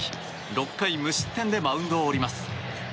６回無失点でマウンドを降ります。